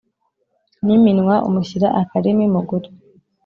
Niminwa umushyira akarimi mugutwi